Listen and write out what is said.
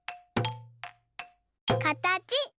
かたち。